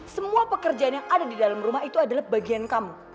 semua pekerjaan yang ada di dalam rumah itu adalah bagian kamu